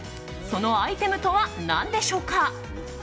そのアイテムとは何でしょうか？